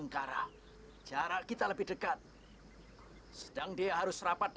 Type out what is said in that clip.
kisah kita dalam bahaya